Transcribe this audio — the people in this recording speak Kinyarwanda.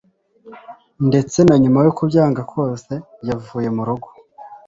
Ndetse na nyuma yo kubyanga kwose, yavuye murugo.